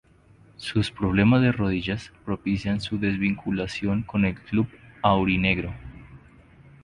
Sus problemas de rodillas propician su desvinculación con el club aurinegro.